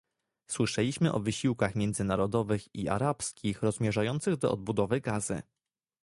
Słyszeliśmy o wysiłkach międzynarodowych i arabskich rozmierzających do odbudowy Gazy